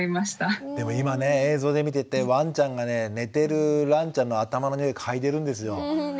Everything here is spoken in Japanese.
でも今ね映像で見ててワンちゃんがね寝てるらんちゃんの頭のにおい嗅いでるんですよ。